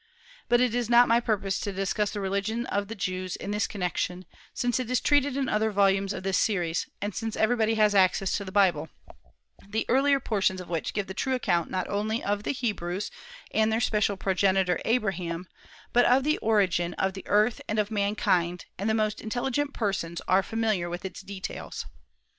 But it is not my purpose to discuss the religion of the Jews in this connection, since it is treated in other volumes of this series, and since everybody has access to the Bible, the earlier portions of which give the true account not only of the Hebrews and their special progenitor Abraham, but of the origin of the earth and of mankind; and most intelligent persons are familiar with its details.